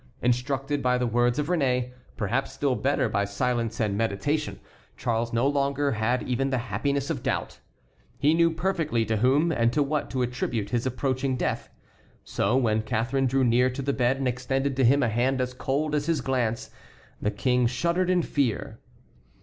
Instructed by the words of Réné, perhaps still better by silence and meditation, Charles no longer had even the happiness of doubt. He knew perfectly to whom and to what to attribute his approaching death. So, when Catharine drew near to the bed and extended to him a hand as cold as his glance, the King shuddered in fear.